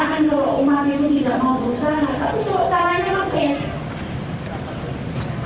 tapi kalau caranya memang psk